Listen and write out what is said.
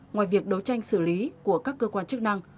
ngoài việc đấu tranh xử lý của các cơ quan chức năng